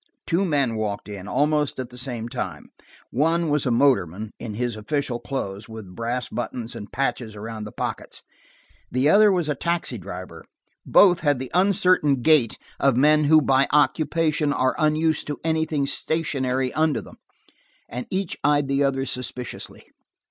Two men walked in, almost at the same time: one was a motorman, in his official clothes, brass buttons and patches around the pockets. The other was a taxicab driver. Both had the uncertain gait of men who by occupation are unused to anything stationary under them, and each eyed the other suspiciously.